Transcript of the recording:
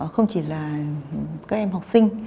không chỉ là các em học sinh